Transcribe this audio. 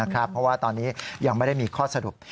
เพราะว่าตอนนี้ยังไม่ได้มีข้อสรุป